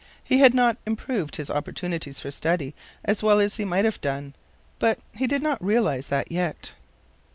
He had not improved his opportunities for study as well as he might have done, but he did not realize that yet.